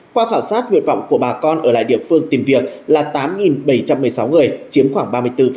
qua khảo sát nguyện vọng của bà con ở lại địa phương tìm việc là tám bảy trăm một mươi sáu người chiếm khoảng ba mươi bốn